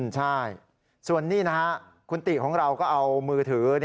ใช่ส่วนนี้นะฮะคุณติของเราก็เอามือถือ